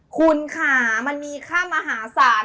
คุณค่ะมันมีค่ามหาศาล